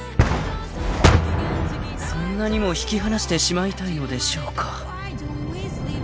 ［そんなにも引き離してしまいたいのでしょうか？］